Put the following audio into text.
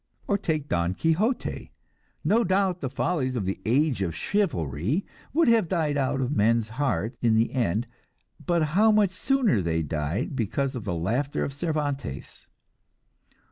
Or take Don Quixote. No doubt the follies of the "age of chivalry" would have died out of men's hearts in the end; but how much sooner they died because of the laughter of Cervantes!